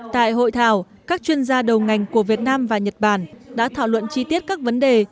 tại hội thảo các chuyên gia đầu ngành của việt nam và nhật bản đã thảo luận chi tiết các vấn đề